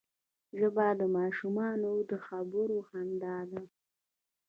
ژبه د ماشومانو د خبرو خندا ده